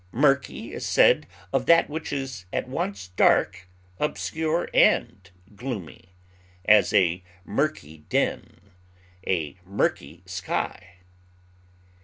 Murky is said of that which is at once dark, obscure, and gloomy; as, a murky den; a murky sky.